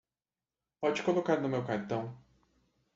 Pode colocar no meu cartão.